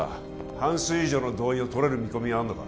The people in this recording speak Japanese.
半数以上の同意をとれる見込みはあるのか？